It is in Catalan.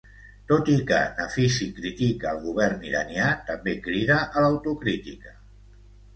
Tot i que Nafisi critica el govern iranià, també crida a l'autocrítica.